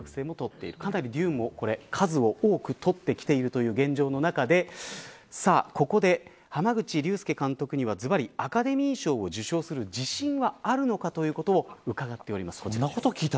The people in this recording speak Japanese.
ＤＵＮＥもかなり数を多く取ってきているという現状中でここで、濱口竜介監督にはズバリ、アカデミー賞を受賞する自信はあるのかということを伺っております。